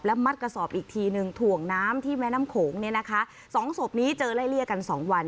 มัดกระสอบอีกทีหนึ่งถ่วงน้ำที่แม่น้ำโขงเนี่ยนะคะสองศพนี้เจอไล่เลี่ยกันสองวัน